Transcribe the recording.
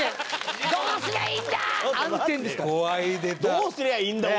「どうすりゃいいんだ！」